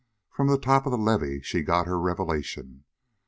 From the top of the levee she got her revelation.